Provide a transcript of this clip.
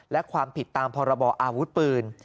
และความผิดตามพรบออาวุธปืน